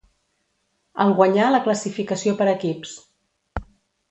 El guanyà la classificació per equips.